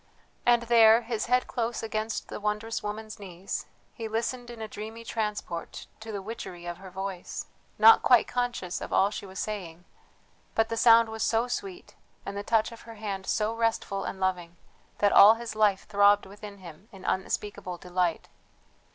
And there, his head close against the wondrous woman's knees, he listened in a dreamy transport to the witchery of her voice not quite conscious of all she was saying, but the sound was so sweet, and the touch of her hand so restful and loving, that all his life throbbed within him in unspeakable delight.